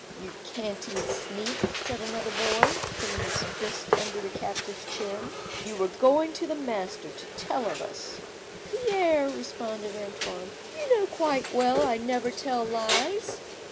"You canting sneak!" said another boy, putting his fist under the captive's chin; "you were going to the master to tell of us." "Pierre," responded Antoine, "you know quite well I never tell lies."